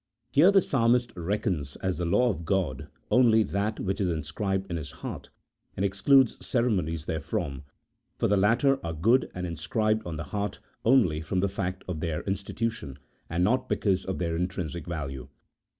Here the Psalmist reckons as the law of God only that which is inscribed in his heart, and excludes ceremonies therefrom, for the latter are good and inscribed on the heart only from the fact of their institution, and not because of their intrinsic value.